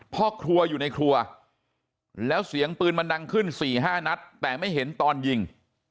พ่อครัวอยู่ในครัวแล้วเสียงปืนมันดังขึ้น๔๕นัดแต่ไม่เห็นตอนยิง